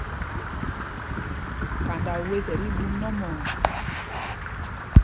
Kanda wěs ɛ tí ɓú nɔ́mɔɔ.